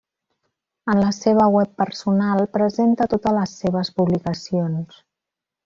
En la seva web personal presenta totes les seves publicacions.